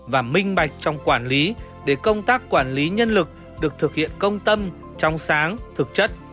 và minh bạch trong quản lý để công tác quản lý nhân lực được thực hiện công tâm trong sáng thực chất